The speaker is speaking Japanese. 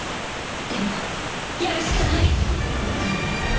でもやるしかない！